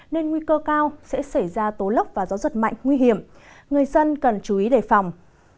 nên nguy cơ cao sẽ xảy ra tố lốc và gió giật mạnh nguy hiểm người dân cần chú ý đề phòng